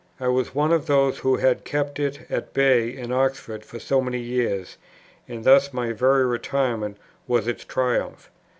I was one of those who had kept it at bay in Oxford for so many years; and thus my very retirement was its triumph.